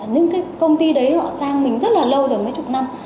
những cái công ty đấy họ sang mình rất là lâu rồi mấy chục năm